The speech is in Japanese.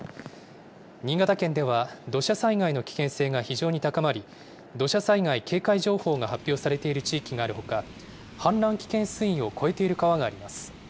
新潟県では、土砂災害の危険性が非常に高まり、土砂災害警戒情報が発表されている地域があるほか、氾濫危険水位を超えている川があります。